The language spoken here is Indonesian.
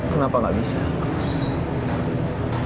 kenapa gak bisa